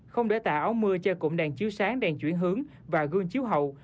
không để tà áo mưa cho cụm đèn chiếu sáng đèn chuyển hướng và gương chiếu hậu